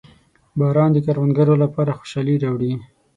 • باران د کروندګرو لپاره خوشحالي راوړي.